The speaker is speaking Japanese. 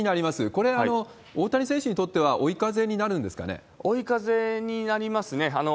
これ、大谷選手にとっては追い風追い風になりますね。